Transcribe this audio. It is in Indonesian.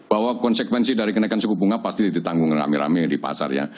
bahwa konsekuensi dari kenaikan suku bunga pasti ditanggung rame rame di pasar ya